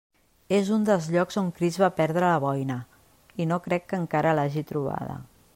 És un dels llocs on Crist va perdre la boina, i no crec que encara l'hagi trobada.